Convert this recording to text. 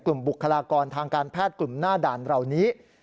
บุคลากรทางการแพทย์กลุ่มหน้าด่านเหล่านี้